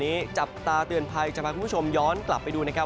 แบบนี้จับตาเตือนภัยจะเข้ากลับมาดูนะครับ